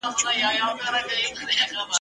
چي ماشوم وم را ته مور کیسه کوله !.